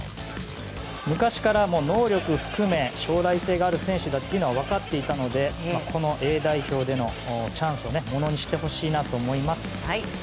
昔から能力含め将来性がある選手だというのは分かっていたのでＡ代表でのチャンスをものにしてほしいと思います。